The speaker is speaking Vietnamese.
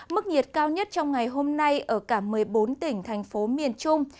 mức nhiệt cao nhất trong ngày hôm nay ở cả một mươi bốn tỉnh thành phố miền trung